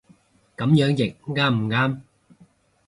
噉樣譯啱唔啱